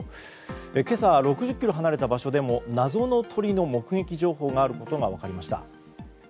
今朝６０ｋｍ離れた場所でも謎の鳥の目撃情報があることが分かりました。